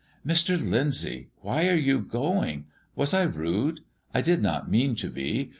"Mr. Lyndsay, why are you going? Was I rude? I did not mean to be.